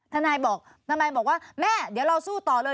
ทนายบอกทนายบอกว่าแม่เดี๋ยวเราสู้ต่อเลย